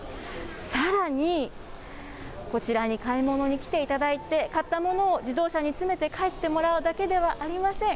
さらにこちらに買い物に来ていただいて、買ったものを自動車に積めて帰ってもらうだけではありません。